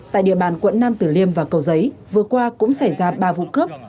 tại địa bàn quận nam tử liêm và cầu giấy vừa qua cũng xảy ra ba vụ cướp